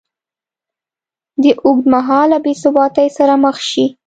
ه اوږدمهاله بېثباتۍ سره مخ شي